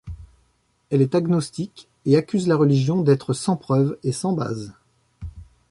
Elle est agnostique et accuse la religion d'être sans preuve et sans base.